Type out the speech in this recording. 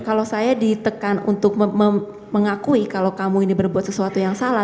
kalau saya ditekan untuk mengakui kalau kamu ini berbuat sesuatu yang salah